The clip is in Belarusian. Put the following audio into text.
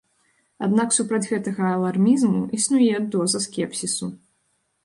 Аднак супраць гэтага алармізму існуе доза скепсісу.